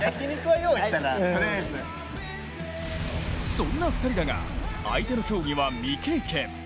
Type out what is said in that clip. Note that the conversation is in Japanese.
そんな２人だが、相手の競技は未経験。